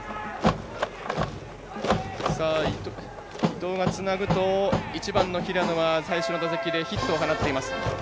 伊藤がつなぐと１番の平野が最初の打席でヒットを放っています。